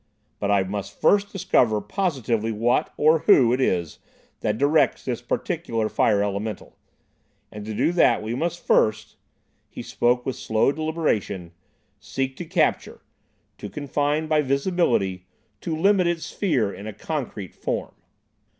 "But I must first discover positively what, or who, it is that directs this particular fire elemental. And, to do that, we must first"—he spoke with slow deliberation—"seek to capture—to confine by visibility—to limit its sphere in a concrete form."